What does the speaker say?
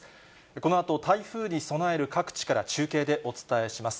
このあと台風に備える各地から中継でお伝えします。